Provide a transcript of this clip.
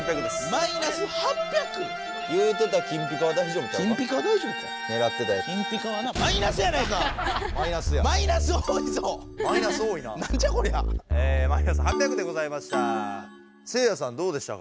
マイナス８００でございました。